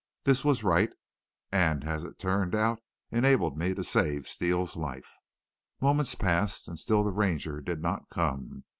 This was right, and as it turned out, enabled me to save Steele's life. "Moments passed and still the Ranger did not come.